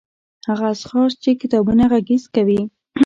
هغه اشخاص چې کتابونه غږيز کوي